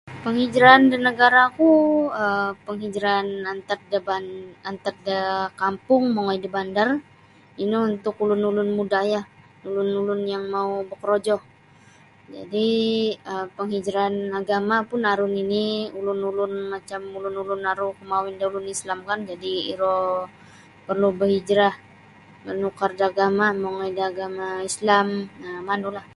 panghijrahan da nagaraku um panghijrahan antad da ban-antad da kampung mongoi da bandar ino untuk ulun-ulun muda lah, ulun-ulun yang mau bakarojo jadi um panghijrahan agama pun aru nini' ulun-ulun macam ulun-ulun aru komawin da ulun Islam kan jadi iro parlu barhijrah manukar da agama mongoi da agama Islam um manulah.